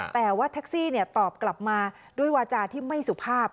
แต่ว่าแท็กซี่ตอบกลับมาด้วยวาจาที่ไม่สุภาพ